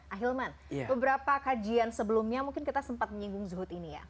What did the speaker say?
ahilman beberapa kajian sebelumnya mungkin kita sempat menyinggung zuhud ini ya